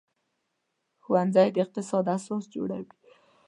ښوونځی د اقتصاد اساس جوړوي